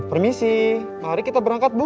permisi mari kita berangkat bu